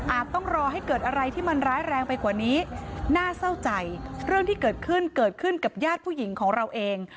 ต้องรอให้เกิดอะไรที่มันร้ายแรงไปกว่านี้น่าเศร้าใจเรื่องที่เกิดขึ้นเกิดขึ้นกับญาติผู้หญิงของเราเอง